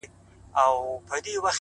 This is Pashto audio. هغه چي ماته يې په سرو وینو غزل ليکله!!